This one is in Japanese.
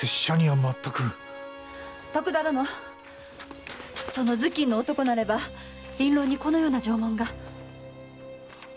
徳田殿その頭巾の男なれば印籠にこのような定紋が。